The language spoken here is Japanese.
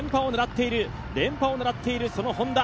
連覇を狙っているＨｏｎｄａ。